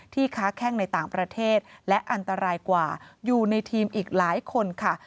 ค้าแข้งในต่างประเทศและอันตรายกว่าอยู่ในทีมอีกหลายคนค่ะ